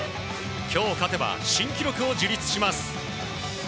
今日勝てば新記録を樹立します。